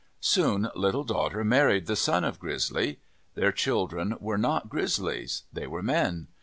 Soon Little Daughter married the son of Grizzly. Their children were not Grizzlies. They were men.